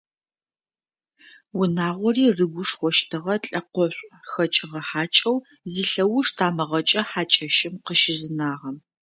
Унагъори рыгушхощтыгъэ лӏэкъошӏу хэкӏыгъэ хьакӏэу зилъэуж тамыгъэкӏэ хьакӏэщым къыщызынагъэм.